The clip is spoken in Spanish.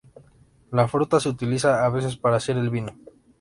La fruta se utiliza a veces para hacer el vino.